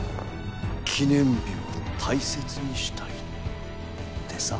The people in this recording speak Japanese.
記念日を大切にしたいってさ。